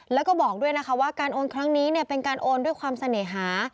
แล้วก็บอกด้วยนะคะว่าการโอนครั้งนี้เป็นการโอนด้วยความเสน่หา